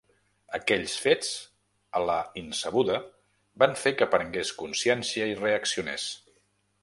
Aquells fets, a la insabuda, van fer que prengués consciència i reaccionés.